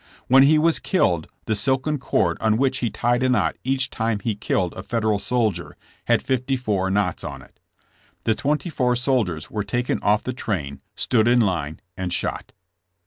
When he was killed the silken cord on which he tied a knot each time he killed a Federal soldier had fifty four knots on it. The twenty four soldiers were taken off the train, stood in line and shot.